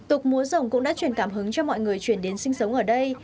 tục múa dòng cũng đã truyền cảm hứng cho mọi người chuyển đến sinh sống ở đây